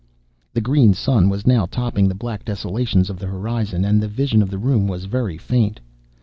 The green sun was now topping the black desolations of the horizon, and the vision of the room was very faint.